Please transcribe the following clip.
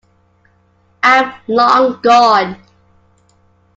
I'm long gone.